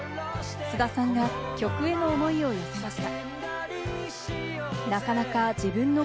菅田さんが曲への思いを寄せました。